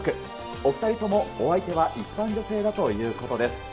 お２人ともお相手は一般女性だということです。